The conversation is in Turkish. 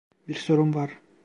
Bir sorum var.